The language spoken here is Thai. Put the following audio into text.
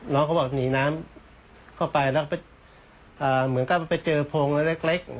เขาบอกหนีน้ำเข้าไปแล้วก็เหมือนกับไปเจอโพงเล็ก